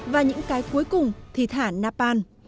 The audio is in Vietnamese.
và những cái cuối cùng là ném bóng